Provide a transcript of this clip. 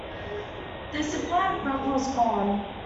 Their supply of grub was gone.